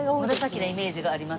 紫なイメージがあります